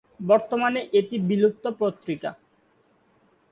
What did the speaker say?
বর্তমানে এটি বিলুপ্ত পত্রিকা।